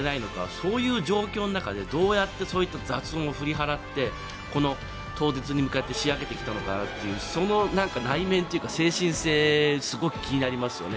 そういう状況の中でどういったそういう雑音を振り払って、この当日に向けて仕上げてきたのかというその内面というか精神性がすごく気になりますよね。